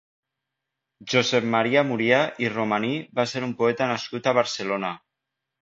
Josep Maria Murià i Romaní va ser un poeta nascut a Barcelona.